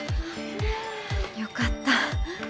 よかった。